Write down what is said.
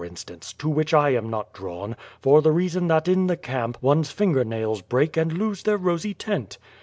instance, to which I am not drawn, for the reason that in the camp one's finger nails break and lose their rosy tint.